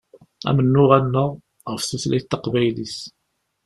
Amennuɣ-nneɣ ɣef tutlayt taqbaylit.